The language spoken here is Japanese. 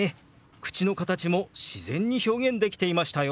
口の形も自然に表現できていましたよ！